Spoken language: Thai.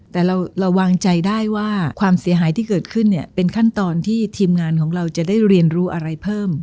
แต่เราวางใจได้ว่าความเสียหายที่เกิดขึ้นเนี่ยเป็นขั้นตอนที่ทีมงานของเราจะได้เรียนรู้อะไรเพิ่ม